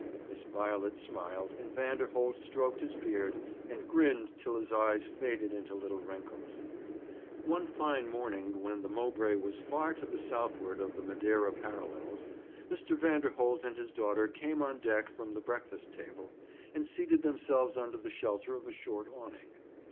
Miss Violet smiled, and Vanderholt stroked his beard, and grinned till his eyes faded into little wrinkles. One fine hot morning, when the Mowbray was far to the southward of the Madeira parallels, Mr. Vanderholt and his daughter came on deck from the breakfast table, and seated themselves under the shelter of a short awning.